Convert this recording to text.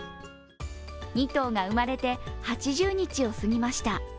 ２頭が生まれて、８０日を過ぎました。